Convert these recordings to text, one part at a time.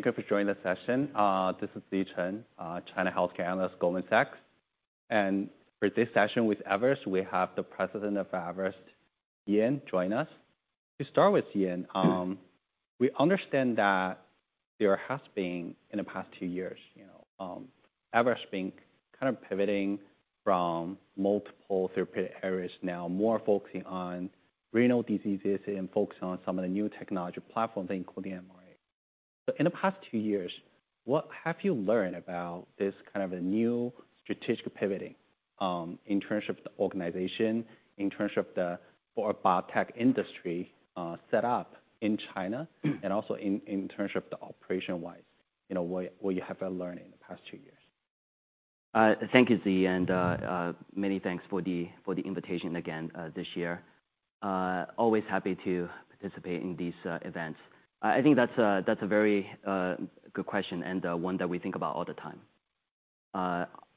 Thank you for joining the session. This is Ziyi Chen, China Healthcare Analyst, Goldman Sachs. And for this session with Everest, we have the President of Everest, Ian, joining us. To start with, Ian, we understand that there has been, in the past two years, you know, Everest been kind of pivoting from multiple therapeutic areas now, more focusing on renal diseases and focusing on some of the new technology platforms, including mRNA. So in the past two years, what have you learned about this kind of a new strategic pivoting, in terms of the organization, in terms of the for a biotech industry, set up in China, and also in, in terms of the operation-wise, you know, what, what you have learned in the past two years? Thank you, Ziyi, and many thanks for the invitation again this year. Always happy to participate in these events. I think that's a very good question and one that we think about all the time.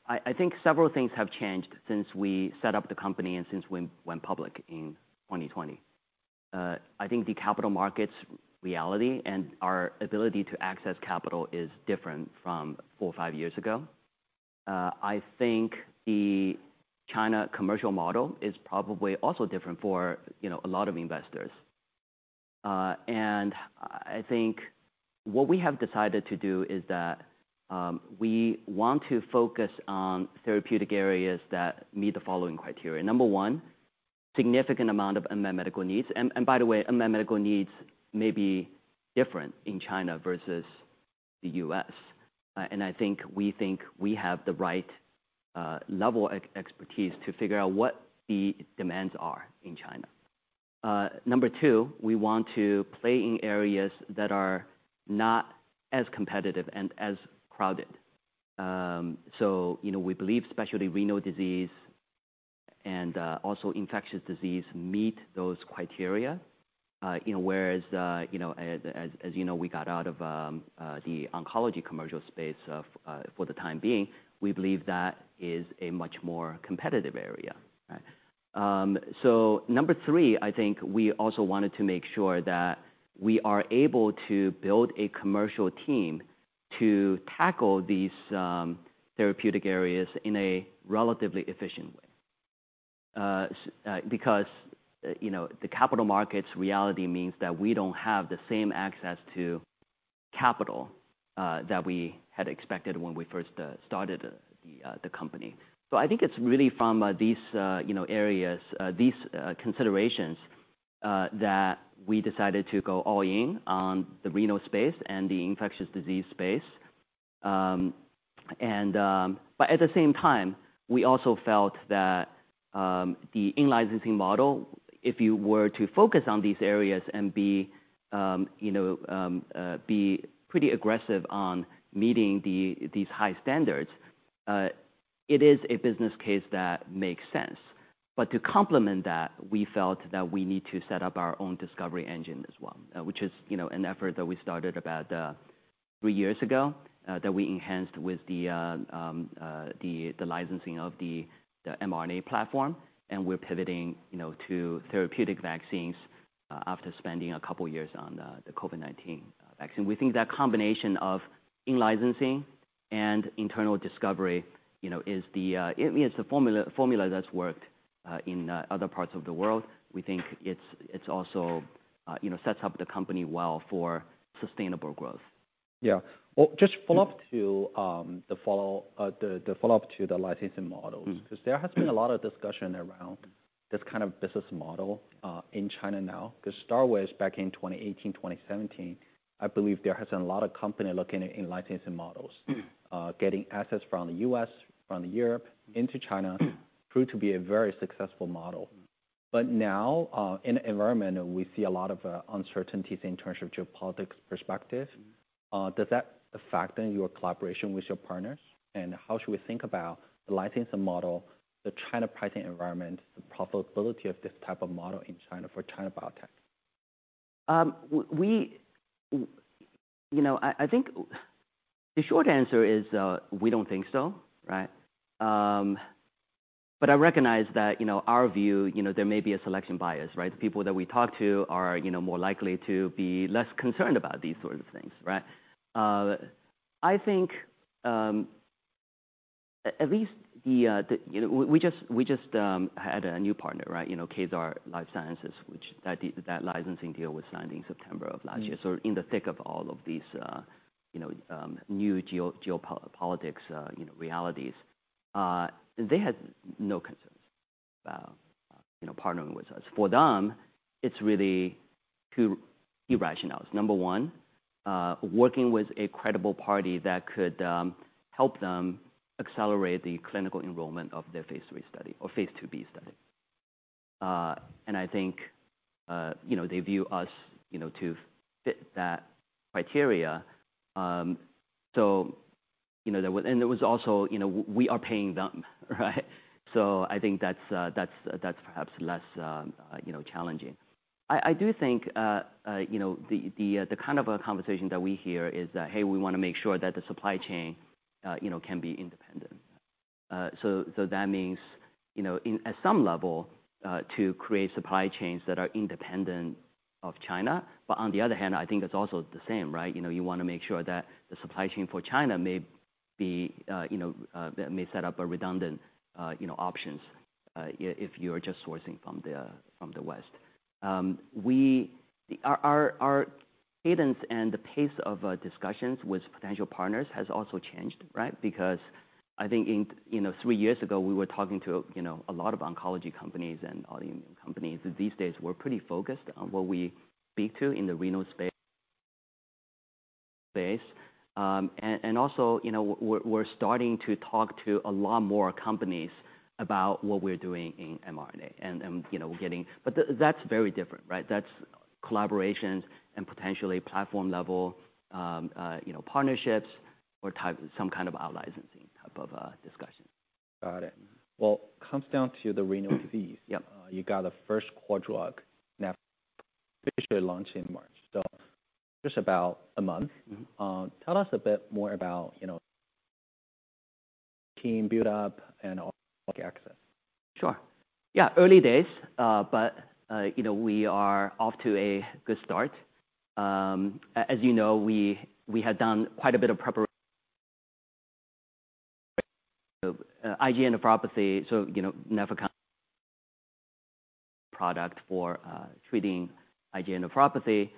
I think several things have changed since we set up the company and since we went public in 2020. I think the capital markets reality and our ability to access capital is different from four to five years ago. I think the China commercial model is probably also different, you know, for a lot of investors. And I think what we have decided to do is that we want to focus on therapeutic areas that meet the following criteria. Number one, significant amount of unmet medical needs. And by the way, unmet medical needs may be different in China versus the U.S. I think we think we have the right level of expertise to figure out what the demands are in China. Number two, we want to play in areas that are not as competitive and as crowded. So, you know, we believe especially renal disease and also infectious disease meet those criteria. You know, whereas, you know, as, as you know, we got out of the oncology commercial space for the time being, we believe that is a much more competitive area, right? So number three, I think we also wanted to make sure that we are able to build a commercial team to tackle these therapeutic areas in a relatively efficient way, so because, you know, the capital markets reality means that we don't have the same access to capital that we had expected when we first started the company. So I think it's really from these, you know, areas, these considerations, that we decided to go all in on the renal space and the infectious disease space. But at the same time, we also felt that the in-licensing model, if you were to focus on these areas and be, you know, pretty aggressive on meeting these high standards, it is a business case that makes sense. But to complement that, we felt that we need to set up our own discovery engine as well, which is, you know, an effort that we started about three years ago, that we enhanced with the licensing of the mRNA platform. And we're pivoting, you know, to therapeutic vaccines, after spending a couple years on the COVID-19 vaccine. We think that combination of in-licensing and internal discovery, you know, is the formula that's worked in other parts of the world. We think it's also, you know, sets up the company well for sustainable growth. Yeah. Well, just follow up to the follow up to the licensing models. Mm-hmm. 'Cause there has been a lot of discussion around this kind of business model in China now. 'Cause starting back in 2018, 2017, I believe there has been a lot of companies looking into licensing models. Mm-hmm. getting assets from the U.S., from Europe, into China. Mm-hmm. Proved to be a very successful model. Mm-hmm. But now, in the environment, we see a lot of uncertainties in terms of geopolitics perspective. Mm-hmm. Does that affect then your collaboration with your partners? And how should we think about the licensing model, the China pricing environment, the profitability of this type of model in China for China biotech? We, you know, I think the short answer is, we don't think so, right? But I recognize that, you know, our view, you know, there may be a selection bias, right? The people that we talk to are, you know, more likely to be less concerned about these sort of things, right? I think, at least the, you know, we just had a new partner, right? You know, Kezar Life Sciences, which that licensing deal was signed in September of last year. So in the thick of all of these, you know, new geopolitics, you know, realities, they had no concerns about, you know, partnering with us. For them, it's really two key rationales. Number one, working with a credible party that could help them accelerate the clinical enrollment of their phase III study or phase II-B study. And I think, you know, they view us, you know, to fit that criteria. So, you know, there was, and there was also, you know, we are paying them, right? So I think that's perhaps less, you know, challenging. I do think, you know, the kind of conversation that we hear is that, hey, we wanna make sure that the supply chain, you know, can be independent. So that means, you know, at some level, to create supply chains that are independent of China. But on the other hand, I think it's also the same, right? You know, you wanna make sure that the supply chain for China may be, you know, set up a redundant, you know, options, if you're just sourcing from the, from the West. Our cadence and the pace of discussions with potential partners has also changed, right? Because I think, you know, three years ago, we were talking to, you know, a lot of oncology companies and autoimmune companies. These days, we're pretty focused on what we speak to in the renal space. And also, you know, we're starting to talk to a lot more companies about what we're doing in mRNA and, you know, getting, but that's very different, right? That's collaborations and potentially platform level, you know, partnerships or type some kind of out-licensing type of discussion. Got it. Well, it comes down to the renal disease. Yep. You got a first product that officially launched in March, so just about a month. Mm-hmm. Tell us a bit more about, you know, team buildup and access. Sure. Yeah. Early days, but, you know, we are off to a good start. As you know, we had done quite a bit of preparation. IgA nephropathy, so, you know, Nefecon product for treating IgA nephropathy.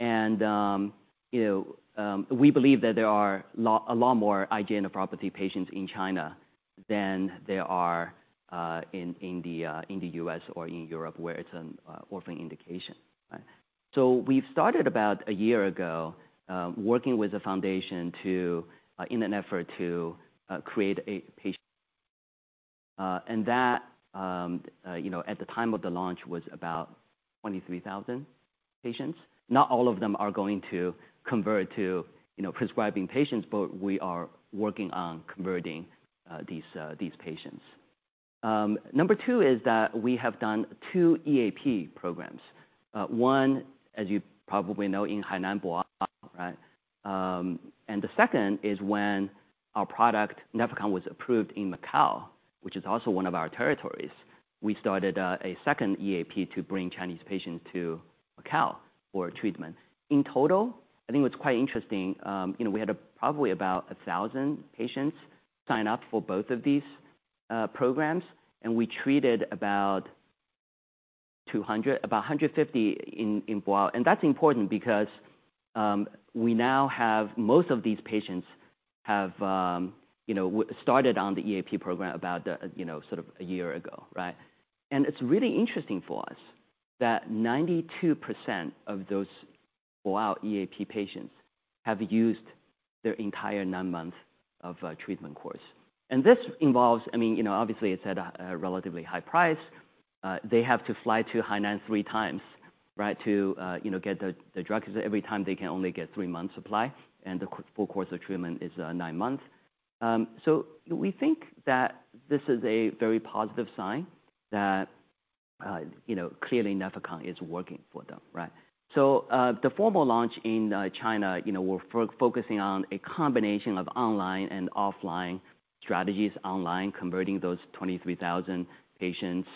And, you know, we believe that there are a lot more IgA nephropathy patients in China than there are in the US or in Europe where it's an orphan indication, right? So we've started about a year ago, working with the foundation to, in an effort to, create a patient and that, you know, at the time of the launch was about 23,000 patients. Not all of them are going to convert to, you know, prescribing patients, but we are working on converting these patients. Number two is that we have done two EAP programs. One, as you probably know, in Hainan Boao, right? The second is when our product, Nefecon, was approved in Macau, which is also one of our territories. We started a second EAP to bring Chinese patients to Macau for treatment. In total, I think it was quite interesting. You know, we had probably about 1,000 patients sign up for both of these programs, and we treated about 200, about 150 in Boao. And that's important because we now have most of these patients, you know, who started on the EAP program about, you know, sort of a year ago, right? And it's really interesting for us that 92% of those Boao EAP patients have used their entire nine months of treatment course. And this involves, I mean, you know, obviously it's at a relatively high price. They have to fly to Hainan three times, right, to, you know, get the drugs 'cause every time they can only get 3 months' supply, and the full course of treatment is 9 months. So we think that this is a very positive sign that, you know, clearly Nefecon is working for them, right? So, the formal launch in China, you know, we're focusing on a combination of online and offline strategies, online converting those 23,000 patients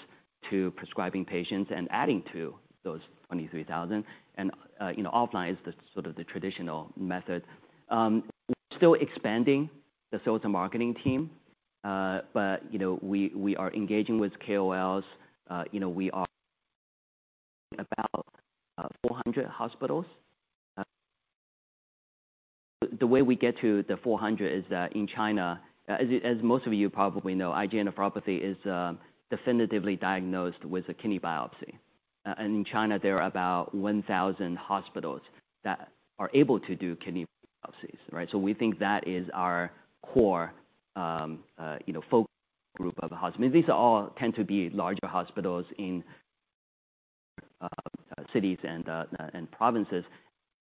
to prescribing patients and adding to those 23,000. And, you know, offline is the sort of the traditional method. We're still expanding the sales and marketing team, but, you know, we are engaging with KOLs. You know, we are about 400 hospitals. The way we get to the 400 is that in China, as you, as most of you probably know, IgA nephropathy is definitively diagnosed with a kidney biopsy. In China, there are about 1,000 hospitals that are able to do kidney biopsies, right? So we think that is our core, you know, focus group of hospital. These all tend to be larger hospitals in cities and provinces.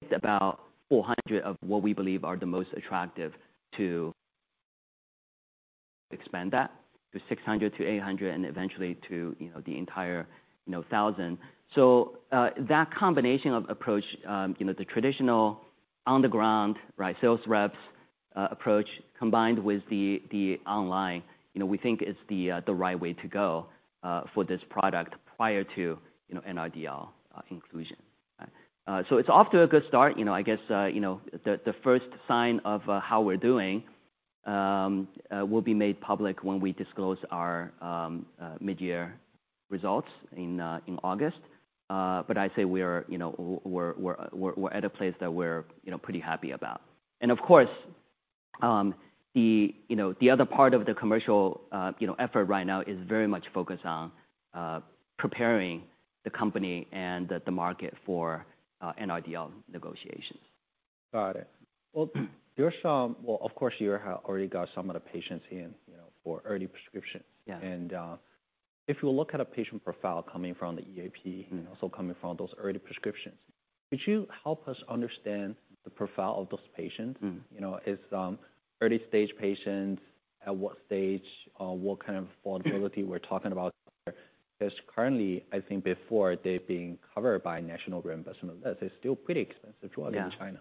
It's about 400 of what we believe are the most attractive to expand that to 600 to 800 and eventually to, you know, the entire, you know, 1,000. So, that combination of approach, you know, the traditional on-the-ground, right, sales reps, approach combined with the, the online, you know, we think is the, the right way to go, for this product prior to, you know, NRDL inclusion, right? So it's off to a good start. You know, I guess, you know, the, the first sign of, how we're doing, will be made public when we disclose our, mid-year results in August. But I say we are, you know, we're at a place that we're, you know, pretty happy about. And of course, the, you know, the other part of the commercial, you know, effort right now is very much focused on preparing the company and the market for NRDL negotiations. Got it. Well, you're showing, well, of course, you already got some of the patients in, you know, for early prescriptions. Yeah. If you look at a patient profile coming from the EAP and also coming from those early prescriptions, could you help us understand the profile of those patients? Mm-hmm. You know, it's early stage patients, at what stage, what kind of affordability we're talking about there? 'Cause currently, I think before they've been covered by national reimbursement, that's still pretty expensive drug in China.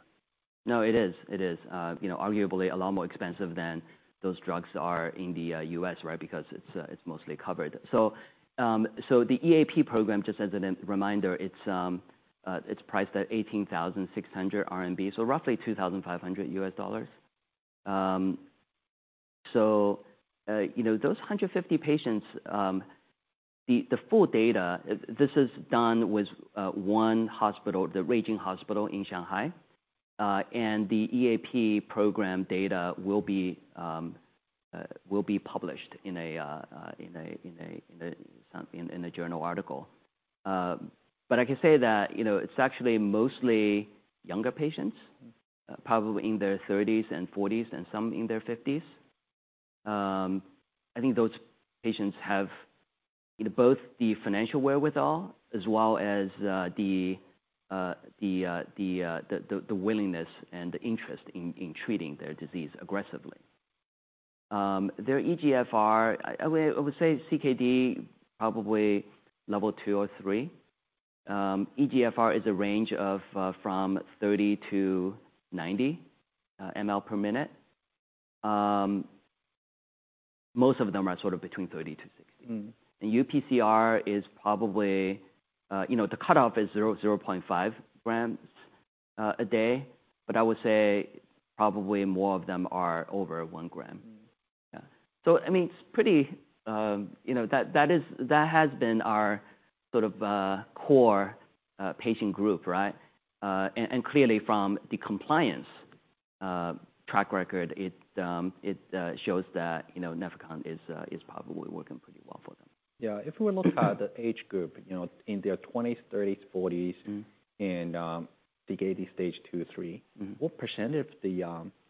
Yeah. No, it is. It is. You know, arguably a lot more expensive than those drugs are in the U.S., right? Because it's mostly covered. So the EAP program, just as a reminder, it's priced at 18,600 RMB, so roughly $2,500. You know, those 150 patients, the full data, this is done with one hospital, Ruijin Hospital in Shanghai. And the EAP program data will be published in a journal, but I can say that, you know, it's actually mostly younger patients, probably in their 30s and 40s and some in their 50s. I think those patients have, you know, both the financial wherewithal as well as the willingness and the interest in treating their disease aggressively. Their eGFR, I would say CKD probably level 2 or 3. eGFR is a range from 30-90 mL/min. Most of them are sort of between 30-60 mL/min Mm-hmm. UPCR is probably, you know, the cutoff is 0.5 grams a day, but I would say probably more of them are over 1 gram. Mm-hmm. Yeah. So, I mean, it's pretty, you know, that has been our sort of core patient group, right? And clearly from the compliance track record, it shows that, you know, Nefecon is probably working pretty well for them. Yeah. If we look at the age group, you know, in their 20s, 30s, 40s. Mm-hmm. CKD stage 2, 3. Mm-hmm. What percent of the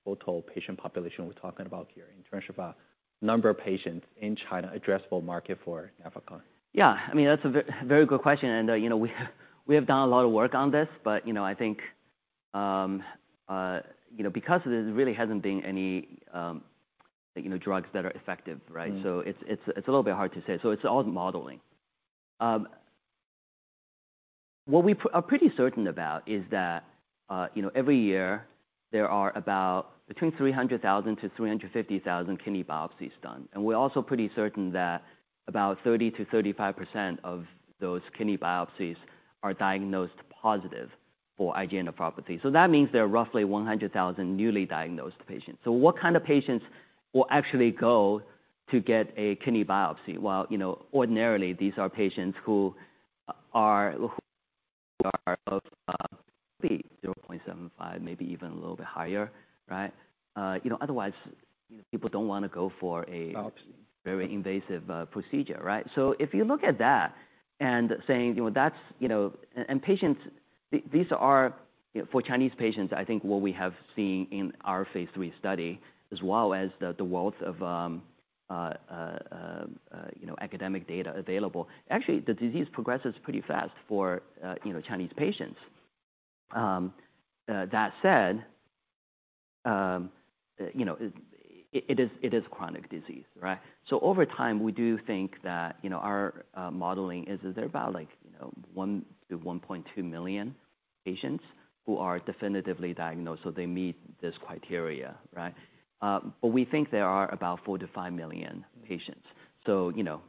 total patient population we're talking about here in terms of number of patients in China addressable market for Nefecon? Yeah. I mean, that's a very, very good question. And, you know, we have done a lot of work on this, but, you know, I think, you know, because there really hasn't been any, you know, drugs that are effective, right? So it's a little bit hard to say. So it's all modeling. What we are pretty certain about is that, you know, every year there are about between 300,000-350,000 kidney biopsies done. And we're also pretty certain that about 30%-35% of those kidney biopsies are diagnosed positive for IgA Nephropathy. So that means there are roughly 100,000 newly diagnosed patients. So what kind of patients will actually go to get a kidney biopsy? Well, you know, ordinarily these are patients who are of, maybe 0.75, maybe even a little bit higher, right? You know, otherwise, you know, people don't wanna go for a. Biopsy. Very invasive procedure, right? So if you look at that and saying, you know, that's, you know, and patients, these are, you know, for Chinese patients, I think what we have seen in our phase III study as well as the wealth of, you know, academic data available, actually the disease progresses pretty fast for, you know, Chinese patients. That said, you know, it is chronic disease, right? So over time, we do think that, you know, our modeling is there about like, you know, 1-1.2 million patients who are definitively diagnosed, so they meet this criteria, right? But we think there are about 4-5 million patients. So, you know,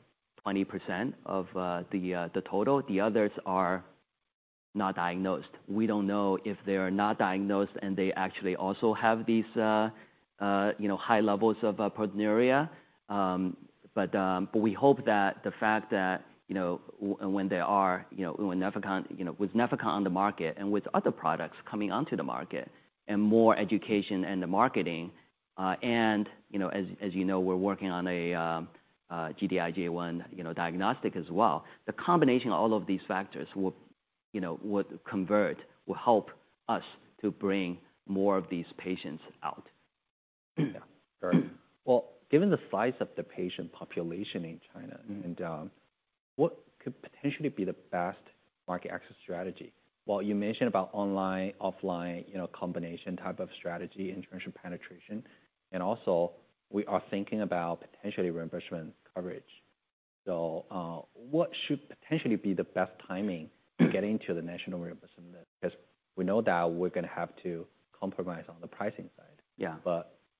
20% of the total, the others are not diagnosed. We don't know if they are not diagnosed and they actually also have these, you know, high levels of proteinuria. but we hope that the fact that, you know, when they are, you know, when Nefecon, you know, with Nefecon on the market and with other products coming onto the market and more education and the marketing, and, you know, as you know, we're working on a Gd-IgA1, you know, diagnostic as well. The combination of all of these factors will, you know, will convert, will help us to bring more of these patients out. Yeah. Sure. Well, given the size of the patient population in China and, what could potentially be the best market access strategy? Well, you mentioned about online, offline, you know, combination type of strategy in terms of penetration. And also we are thinking about potentially reimbursement coverage. So, what should potentially be the best timing to get into the national reimbursement? 'Cause we know that we're gonna have to compromise on the pricing side. Yeah.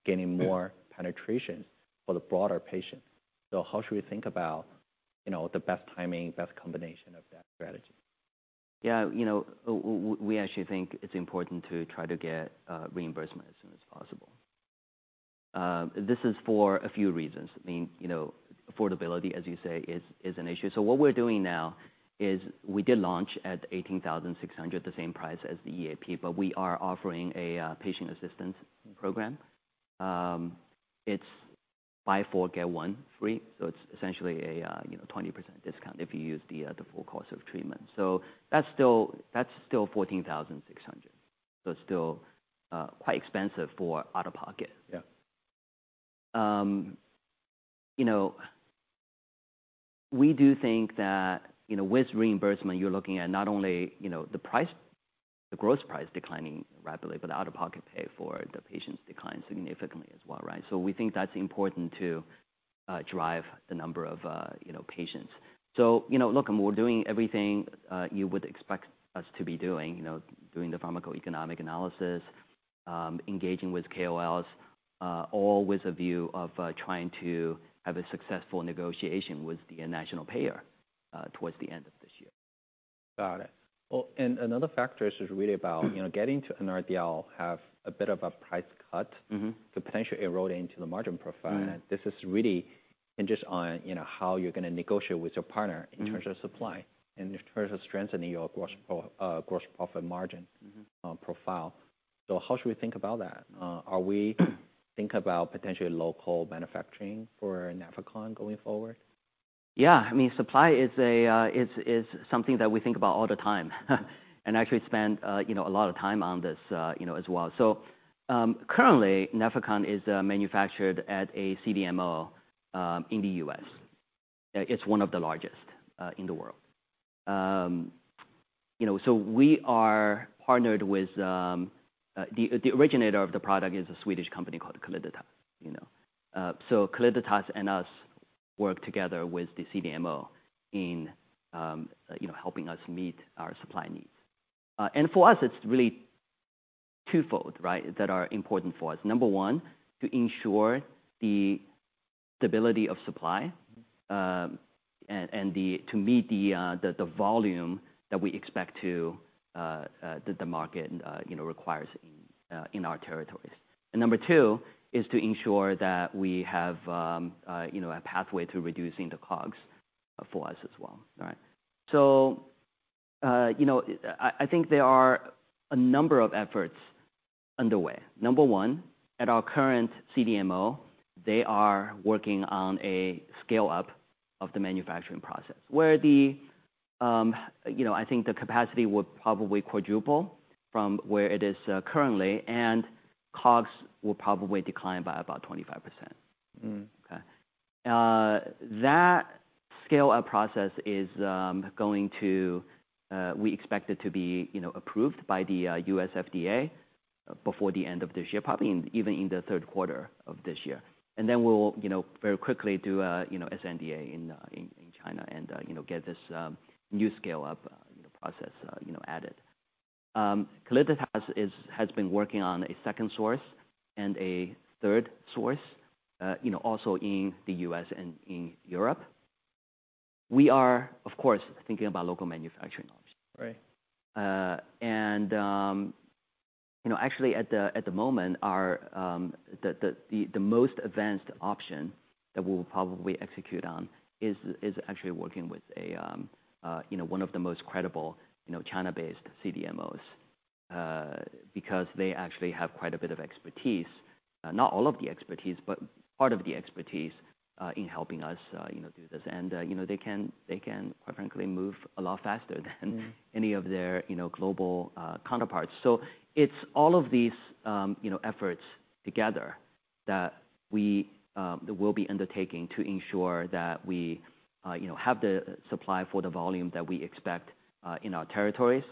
Getting more penetrations for the broader patient. How should we think about, you know, the best timing, best combination of that strategy? Yeah. You know, we actually think it's important to try to get reimbursement as soon as possible. This is for a few reasons. I mean, you know, affordability, as you say, is an issue. So what we're doing now is we did launch at 18,600, the same price as the EAP, but we are offering a patient assistance program. It's buy four, get one free. So it's essentially a, you know, 20% discount if you use the full course of treatment. So that's still 14,600. So it's still quite expensive for out-of-pocket. Yeah. You know, we do think that, you know, with reimbursement, you're looking at not only, you know, the price, the gross price declining rapidly, but the out-of-pocket pay for the patients declines significantly as well, right? So we think that's important to drive the number of, you know, patients. So, you know, look, I mean, we're doing everything you would expect us to be doing, you know, doing the pharmacoeconomic analysis, engaging with KOLs, all with a view of trying to have a successful negotiation with the national payer, towards the end of this year. Got it. Well, and another factor is really about, you know, getting to NRDL have a bit of a price cut. Mm-hmm. To potentially erode into the margin profile. Mm-hmm. This really hinges on, you know, how you're gonna negotiate with your partner in terms of supply and in terms of strengthening your gross profit margin. Mm-hmm. profile. So how should we think about that? Are we thinking about potentially local manufacturing for Nefecon going forward? Yeah. I mean, supply is, it's something that we think about all the time and actually spend, you know, a lot of time on this, you know, as well. So, currently Nefecon is manufactured at a CDMO in the U.S. It's one of the largest in the world. You know, so we are partnered with the originator of the product, which is a Swedish company called Calliditas, you know? So Calliditas and us work together with the CDMO in, you know, helping us meet our supply needs. And for us, it's really twofold, right, that are important for us. Number one, to ensure the stability of supply. Mm-hmm. and to meet the volume that we expect the market, you know, requires in our territories. And number two is to ensure that we have, you know, a pathway to reducing the COGS for us as well, right? So, you know, I think there are a number of efforts underway. Number one, at our current CDMO, they are working on a scale-up of the manufacturing process where, you know, I think the capacity will probably quadruple from where it is currently, and COGS will probably decline by about 25%. Mm-hmm. Okay? That scale-up process is going to. We expect it to be, you know, approved by the U.S. FDA before the end of this year, probably even in the third quarter of this year. Then we'll, you know, very quickly do a, you know, SNDA in China and, you know, get this new scale-up, you know, process, you know, added. Calliditas has been working on a second source and a third source, you know, also in the U.S. and in Europe. We are, of course, thinking about local manufacturing options. Right. And, you know, actually at the moment, our most advanced option that we will probably execute on is actually working with a, you know, one of the most credible, you know, China-based CDMOs, because they actually have quite a bit of expertise, not all of the expertise, but part of the expertise, in helping us, you know, do this. And, you know, they can quite frankly move a lot faster than. Mm-hmm. Any of their, you know, global, counterparts. So it's all of these, you know, efforts together that we'll be undertaking to ensure that we, you know, have the supply for the volume that we expect in our territories.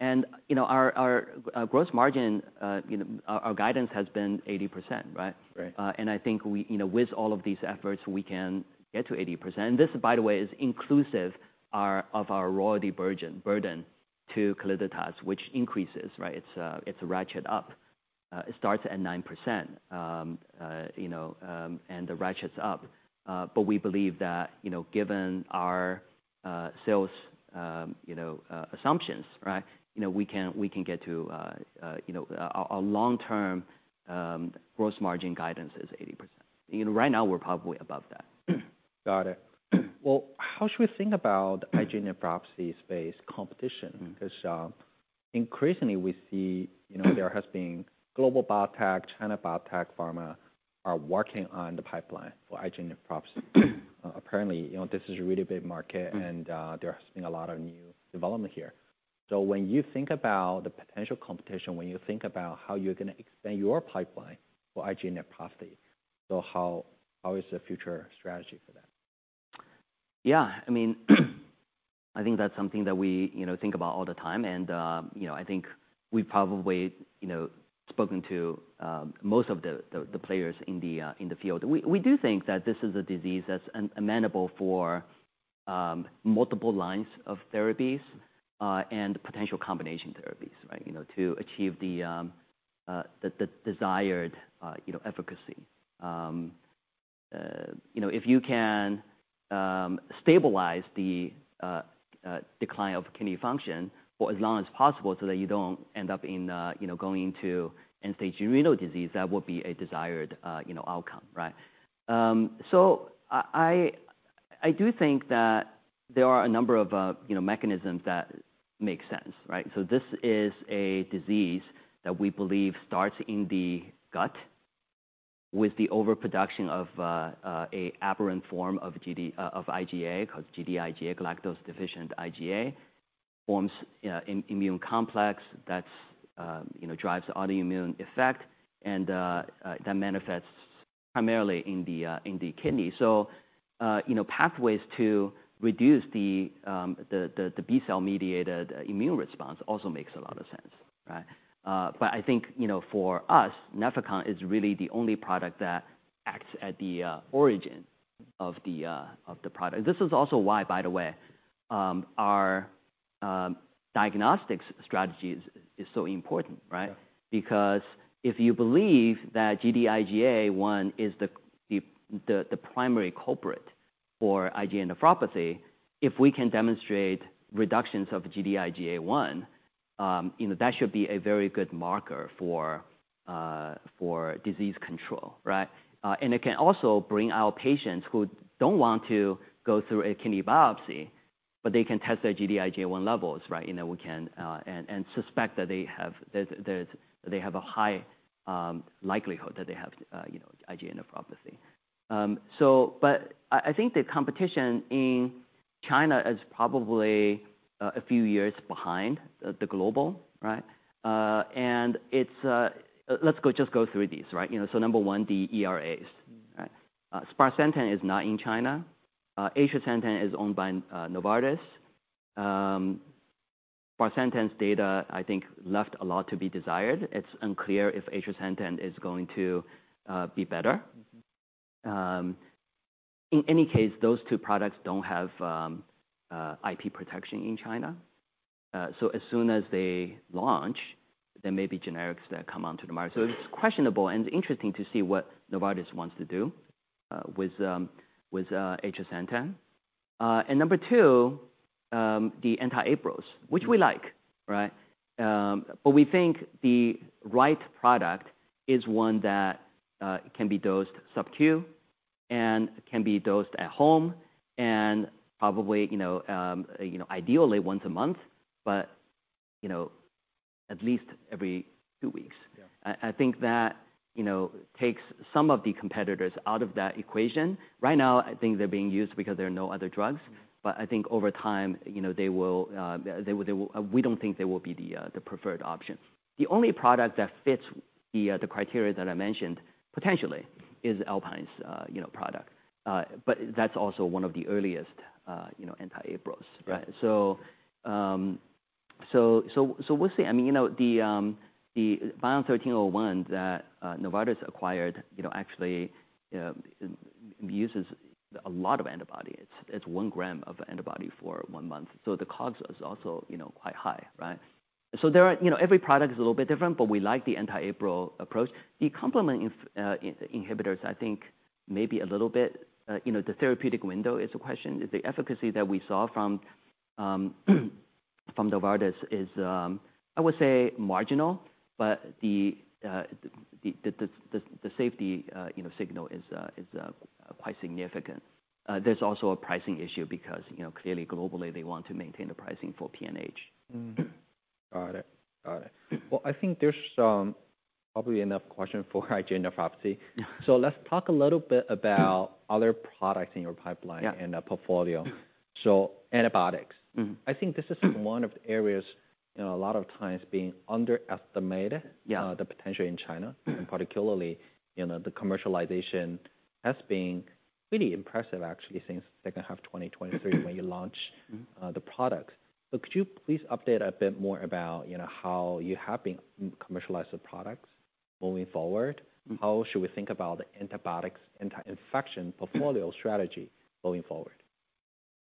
And, you know, our gross margin, you know, our guidance has been 80%, right? Right. And I think we, you know, with all of these efforts, we can get to 80%. And this, by the way, is inclusive of our royalty burden, burden to Calliditas, which increases, right? It's, it's ratchet up. It starts at 9%, you know, and it ratchets up. But we believe that, you know, given our sales, you know, assumptions, right, you know, we can, we can get to, you know, our, our long-term, gross margin guidance is 80%. You know, right now we're probably above that. Got it. Well, how should we think about the IgA nephropathy space competition? Mm-hmm. 'Cause, increasingly we see, you know, there has been global biotech, China biotech, pharma are working on the pipeline for IgA nephropathy. Apparently, you know, this is a really big market and, there has been a lot of new development here. So when you think about the potential competition, when you think about how you're gonna expand your pipeline for IgA nephropathy, so how, how is the future strategy for that? Yeah. I mean, I think that's something that we, you know, think about all the time. And, you know, I think we probably, you know, spoken to most of the players in the field. We do think that this is a disease that's amenable for multiple lines of therapies, and potential combination therapies, right? You know, to achieve the desired efficacy. You know, if you can stabilize the decline of kidney function for as long as possible so that you don't end up in, you know, going into end-stage renal disease, that would be a desired outcome, right? So I do think that there are a number of mechanisms that make sense, right? So this is a disease that we believe starts in the gut with the overproduction of an aberrant form of Gd-IgA1, galactose-deficient IgA1, that forms immune complexes that's, you know, drives autoimmune effect and that manifests primarily in the kidney. So, you know, pathways to reduce the B-cell mediated immune response also makes a lot of sense, right? But I think, you know, for us, Nefecon is really the only product that acts at the origin of the product. This is also why, by the way, our diagnostics strategy is so important, right? Yeah. Because if you believe that Gd-IgA1 is the primary culprit for IgA nephropathy, if we can demonstrate reductions of Gd-IgA1, you know, that should be a very good marker for disease control, right? And it can also bring out patients who don't want to go through a kidney biopsy, but they can test their Gd-IgA1 levels, right? You know, we can suspect that they have a high likelihood that they have, you know, IgA nephropathy. So, but I think the competition in China is probably a few years behind the global, right? And it's, let's go, just go through these, right? You know, so number one, the ERAs, right? sparsentan is not in China. atrasentan is owned by Novartis. sparsentan data, I think, left a lot to be desired. It's unclear if atrasentan is going to be better. Mm-hmm. In any case, those two products don't have IP protection in China. So as soon as they launch, there may be generics that come onto the market. So it's questionable and interesting to see what Novartis wants to do with atrasentan. And number two, the anti-APRIL, which we like, right? But we think the right product is one that can be dosed subcu and can be dosed at home and probably, you know, ideally once a month, but you know, at least every two weeks. Yeah. I think that, you know, takes some of the competitors out of that equation. Right now, I think they're being used because there are no other drugs. Mm-hmm. But I think over time, you know, they will, we don't think they will be the preferred option. The only product that fits the criteria that I mentioned potentially is Alpine's, you know, product. But that's also one of the earliest, you know, anti-APRILs, right? Yeah. So we'll see. I mean, you know, the BION-1301 that Novartis acquired, you know, actually, uses a lot of antibody. It's 1 gram of antibody for 1 month. So the COGS is also, you know, quite high, right? So there are, you know, every product is a little bit different, but we like the anti-APRIL approach. The complement inhibitors, I think maybe a little bit, you know, the therapeutic window is a question. The efficacy that we saw from Novartis is, I would say, marginal, but the safety, you know, signal is quite significant. There's also a pricing issue because, you know, clearly globally they want to maintain the pricing for PNH. Mm-hmm. Got it. Got it. Well, I think there's probably enough question for IgA nephropathy. Yeah. Let's talk a little bit about other products in your pipeline. Yeah. Portfolio. So antibiotics. Mm-hmm. I think this is one of the areas, you know, a lot of times being underestimated. Yeah. the potential in China. Mm-hmm. Particularly, you know, the commercialization has been really impressive actually since second half 2023 when you launched. Mm-hmm. The products. So could you please update a bit more about, you know, how you have been commercializing the products moving forward? Mm-hmm. How should we think about the antibiotics, anti-infection portfolio strategy moving forward?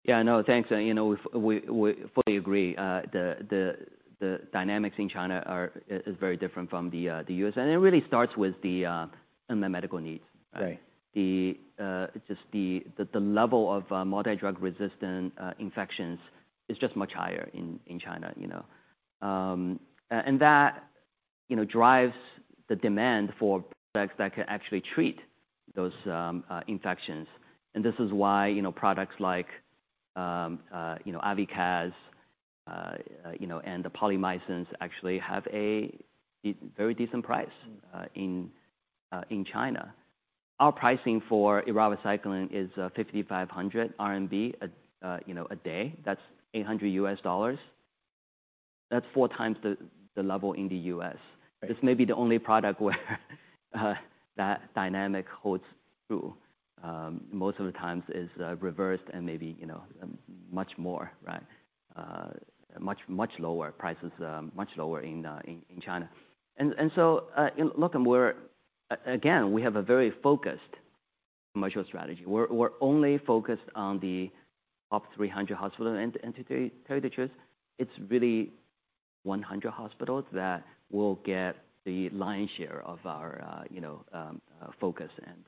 Yeah. No, thanks. And, you know, we fully agree. The dynamics in China are very different from the US. And it really starts with the medical needs, right? Right. Just the level of multi-drug resistant infections is just much higher in China, you know? And that, you know, drives the demand for products that can actually treat those infections. And this is why, you know, products like, you know, Avycaz, you know, and the polymyxins actually have a very decent price. Mm-hmm. in China. Our pricing for eravacycline is 5,500 RMB, you know, a day. That's $800. That's 4x the level in the US. Right. This may be the only product where that dynamic holds true. Most of the time is reversed and maybe, you know, much more, right? Much, much lower prices, much lower in China. And so, you know, look, and we're, again, we have a very focused commercial strategy. We're only focused on the top 300 hospital entity territories. It's really 100 hospitals that will get the lion's share of our, you know, focus and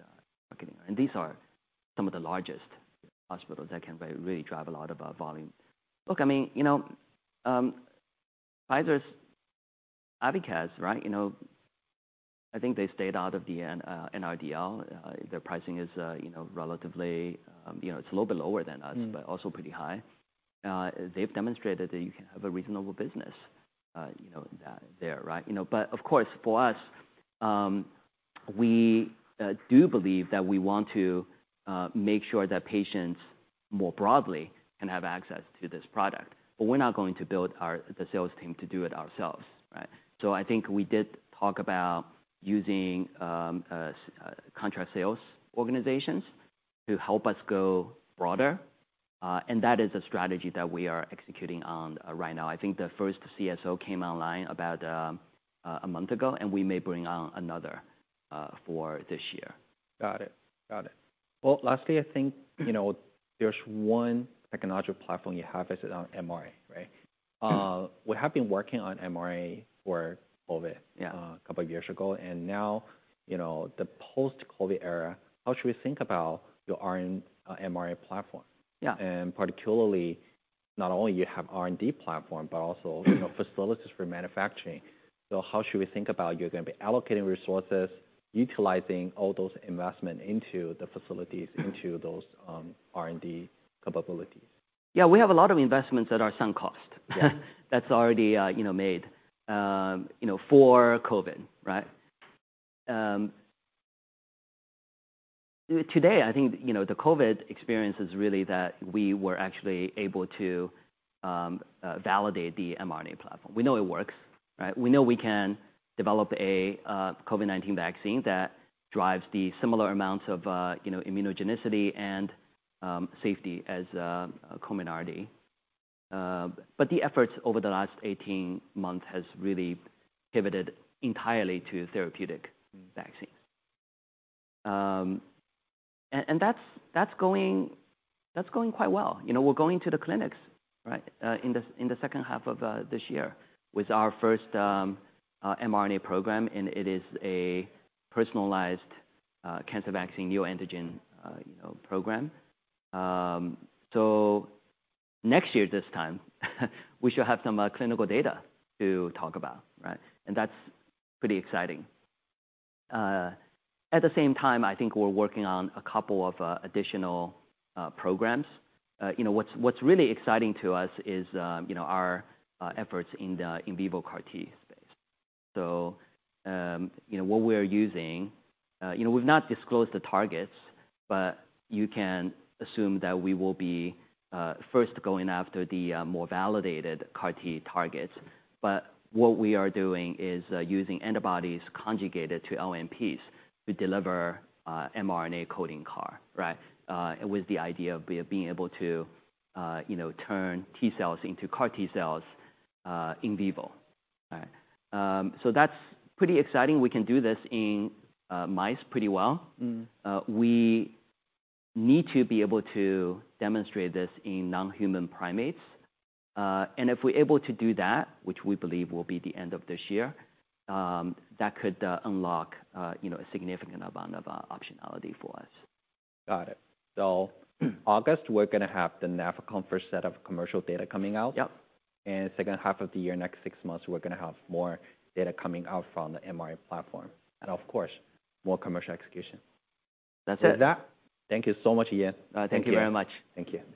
marketing. And these are some of the largest hospitals that can really drive a lot of volume. Look, I mean, you know, Pfizer's Avycaz, right? You know, I think they stayed out of the NRDL. Their pricing is, you know, relatively, you know, it's a little bit lower than us. Mm-hmm. But also pretty high. They've demonstrated that you can have a reasonable business, you know, that there, right? You know, but of course for us, we do believe that we want to make sure that patients more broadly can have access to this product. But we're not going to build our the sales team to do it ourselves, right? So I think we did talk about using contract sales organizations to help us go broader. And that is a strategy that we are executing on right now. I think the first CSO came online about a month ago and we may bring on another for this year. Got it. Got it. Well, lastly, I think, you know, there's one technological platform you have is on mRNA, right? We have been working on mRNA for COVID. Yeah. a couple of years ago. And now, you know, the post-COVID era, how should we think about your mRNA platform? Yeah. And particularly not only you have R&D platform, but also, you know, facilities for manufacturing. So how should we think about you're gonna be allocating resources, utilizing all those investments into the facilities, into those, R&D capabilities? Yeah. We have a lot of investments that are sunk cost. Yeah. That's already, you know, made, you know, for COVID, right? Today, I think, you know, the COVID experience is really that we were actually able to validate the mRNA platform. We know it works, right? We know we can develop a COVID-19 vaccine that drives the similar amounts of, you know, immunogenicity and safety as common RNA. But the efforts over the last 18 months has really pivoted entirely to therapeutic vaccines. And that's going quite well. You know, we're going to the clinics, right, in the second half of this year with our first mRNA program. And it is a personalized cancer vaccine, neoantigen, you know, program. So next year this time, we should have some clinical data to talk about, right? And that's pretty exciting. At the same time, I think we're working on a couple of additional programs. You know, what's really exciting to us is, you know, our efforts in the in vivo CAR-T space. So, you know, what we are using, you know, we've not disclosed the targets, but you can assume that we will be first going after the more validated CAR-T targets. But what we are doing is using antibodies conjugated to LNPs to deliver mRNA coding CAR, right? With the idea of being able to, you know, turn T-cells into CAR-T cells in vivo, right? So that's pretty exciting. We can do this in mice pretty well. Mm-hmm. We need to be able to demonstrate this in non-human primates. If we're able to do that, which we believe will be the end of this year, that could unlock, you know, a significant amount of optionality for us. Got it. So August, we're gonna have the Nefecon first set of commercial data coming out. Yep. Second half of the year, next six months, we're gonna have more data coming out from the mRNA platform. Of course, more commercial execution. That's it. With that, thank you so much, Ian. Thank you very much. Thank you.